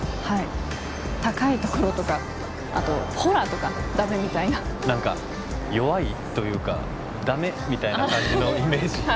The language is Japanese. はい高いところとかあとホラーとかダメみたいな何か弱いというかダメみたいな感じのイメージ？